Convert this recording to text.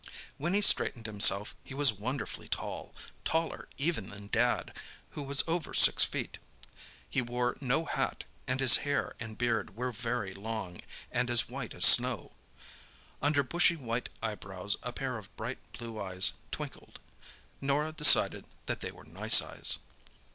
When he straightened himself he was wonderfully tall—taller even than Dad, who was over six feet. He wore no hat, and his hair and beard were very long, and as white as snow. Under bushy white eyebrows, a pair of bright blue eyes twinkled. Norah decided that they were nice eyes.